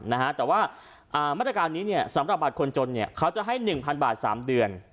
มาตรการนี้สำหรับบัตรคนจนของมันจะให้๑๐๐๐บาท๓เดือน